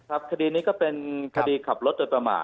ครับคดีนี้ก็เป็นคดีขับรถอัตมาส